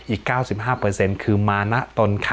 อีก๙๕เปอร์เซ็นต์คือมานะตนค่ะ